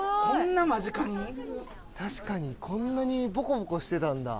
確かにこんなにボコボコしてたんだ。